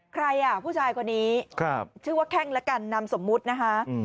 ใครผู้ชายกว่านี้ชื่อว่าแค่งละกันนำสมมุตินะฮะอืม